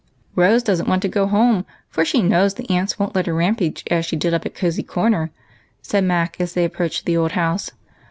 " Rose does n't want to go home, for she knows the aunts won't let her rampage as she did uj^ at Cosey Corner," said Mac, as they approached the old house.